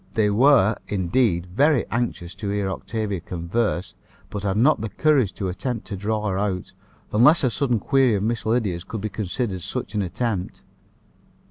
They were, indeed, very anxious to hear Octavia converse, but had not the courage to attempt to draw her out, unless a sudden query of Miss Lydia's could be considered such an attempt.